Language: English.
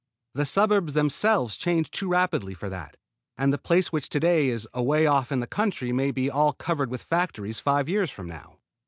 The suburbs themselves change too rapidly for that; and the place which today is away off in the country may be all covered with factories five years from now.